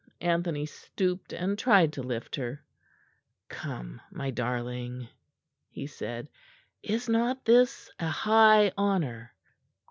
Anthony stooped and tried to lift her. "Come, my darling," he said, "is not this a high honour?